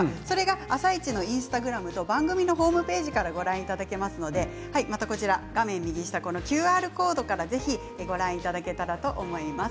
「あさイチ」のインスタグラムと番組のホームページからご覧いただけますのでこちら画面右下のＱＲコードからぜひご覧いただけたらと思います。